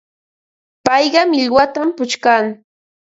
Payqa millwatam puchkan.